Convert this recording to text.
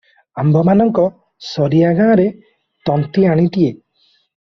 ଆମ୍ଭମାନଙ୍କ ସାରିଆ ଗାଁର ତନ୍ତୀଆଣିଟିଏ ।